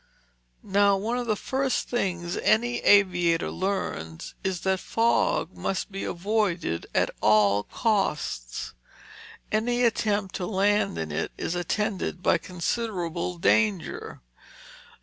Now one of the first things any aviator learns is that fog must be avoided at all costs. Any attempt to land in it is attended by considerable danger.